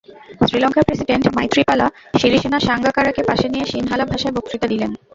শ্রীলঙ্কার প্রেসিডেন্ট মাইথ্রিপালা সিরিসেনা সাঙ্গাকারাকে পাশে নিয়ে সিনহালা ভাষায় বক্তৃতা দিলেন।